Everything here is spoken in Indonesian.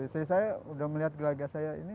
istri saya sudah melihat gelagat saya ini